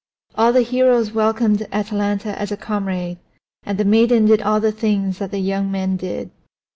All the heroes welcomed Atalanta as a comrade, and the maiden did all the things that the young men did.